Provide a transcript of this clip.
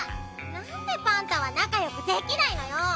なんでパンタはなかよくできないのよ！